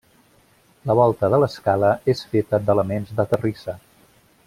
La volta de l'escala és feta d'elements de terrissa.